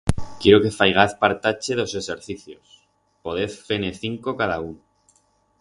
Quiero que faigaz partache d'os exercicios, podez fer-ne cinco cadaún.